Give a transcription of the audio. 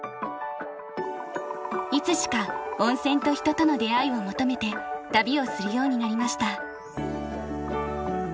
いつしか温泉と人との出会いを求めて旅をするようになりました。